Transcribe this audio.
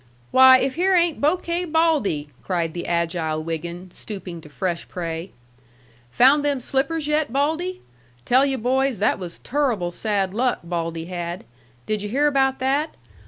"Why, if here ain't Bokay Baldy!" cried the agile Wiggin, stooping to fresh prey. "Found them slippers yet, Baldy? Tell yu' boys, that was turruble sad luck Baldy had. Did yu' hear about that?